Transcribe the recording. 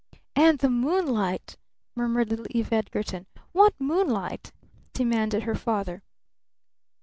"And the moonlight," murmured little Eve Edgarton. "What moonlight?" demanded her father.